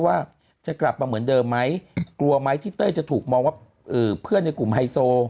ว่าจะกลับมาเหมือนเดิมไหมกลัวไหมที่เต้ยจะถูกมองว่าเพื่อนในกลุ่มไฮโซ